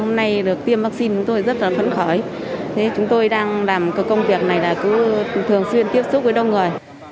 hôm nay được tiêm vaccine chúng tôi rất là phấn khởi chúng tôi đang làm cái công việc này là cứ thường xuyên tiếp xúc với đông người